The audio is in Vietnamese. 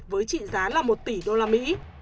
với trị giá là một tỷ đô la mỹ